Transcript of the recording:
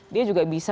dia juga bisa